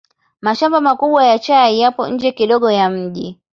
Mashamba makubwa ya chai yapo nje kidogo ya mji.